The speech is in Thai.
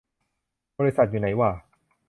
บริษัทอยู่ไหนหว่า